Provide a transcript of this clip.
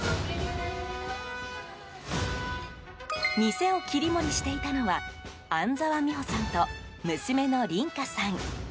店を切り盛りしていたのは安澤美穂さんと娘の琳華さん。